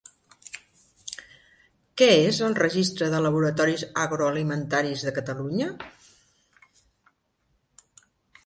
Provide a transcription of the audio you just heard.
Què és el Registre de laboratoris agroalimentaris de Catalunya?